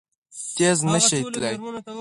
تېز نه شي تلای!